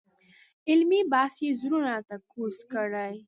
علمي بحث یې زړونو ته کوز کړی.